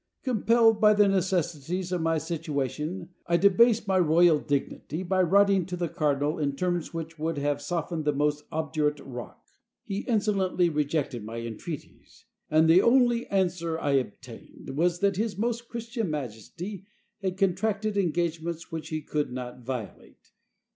Compelled by the necessities of my situation I debased my royal dignity by writing to the cardinal in terms which would have softened the most obdurate rock. He insolently rejected my entreaties; and the only answer I obtained was that his most Christian majesty had contracted engagements which he could not violate.